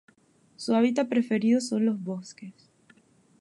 Su hábitat preferido son los bosques.